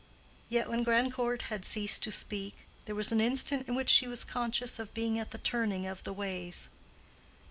Yet when Grandcourt had ceased to speak, there was an instant in which she was conscious of being at the turning of the ways.